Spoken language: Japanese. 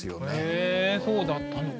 へえそうだったのか。